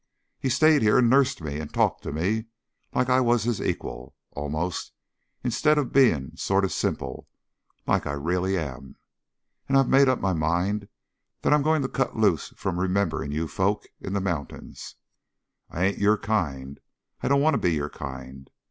He's stayed here and nursed me and talked to me like I was his equal, almost, instead of being sort of simple, like I really am. And I've made up my mind that I'm going to cut loose from remembering you folks in the mountains. I ain't your kind. I don't want to be your kind.